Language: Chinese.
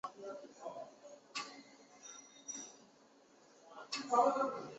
商品房的建设和交易通常需要经过政府部门的审批。